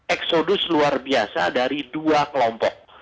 eksodus luar biasa dari dua kelompok